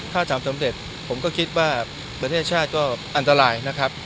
ถ้าทำสำเร็จผมก็คิดว่าประเทศชาติก็อันตรายนะครับ